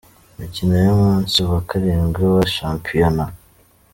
Imikino y’umunsi wa karindwi wa Shampiyona